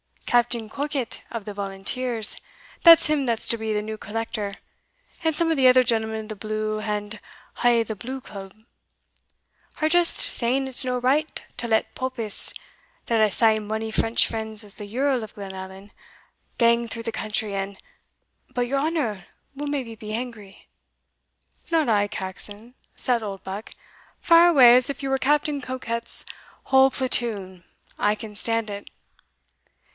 Captain Coquet, of the volunteers that's him that's to be the new collector, and some of the other gentlemen of the Blue and a' Blue Club, are just saying it's no right to let popists, that hae sae mony French friends as the Yerl of Glenallan, gang through the country, and but your honour will maybe be angry?" "Not I, Caxon," said Oldbuck; "fire away as if you were Captain Coquet's whole platoon I can stand it."